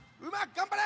頑張れ。